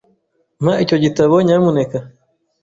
Mpa icyo gitabo, nyamuneka .